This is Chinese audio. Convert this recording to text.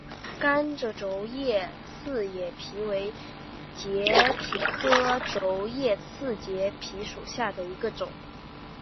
柑桔皱叶刺节蜱为节蜱科皱叶刺节蜱属下的一个种。